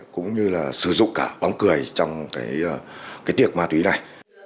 cũng như sử dụng cả bóng cười trong tiệc ma túy này